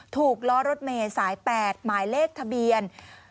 ถูกล้อรถเมสายแปดหมายเลขทะเบียน